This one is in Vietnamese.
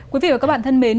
quý vị và các bạn thân mến